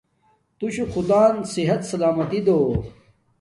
تو شو خدان صحت سلامتی دو